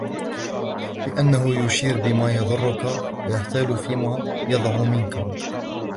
لِأَنَّهُ يُشِيرُ بِمَا يَضُرُّك وَيَحْتَالُ فِيمَا يَضَعُ مِنْك